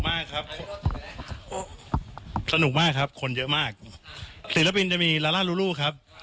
มากครับสนุกมากครับคนเยอะมากศิลปินจะมีลาล่าลูลูครับ